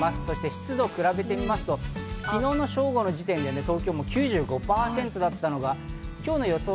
湿度を比べてみますと昨日の正午の時点で東京は９５％だったのが、今日の予想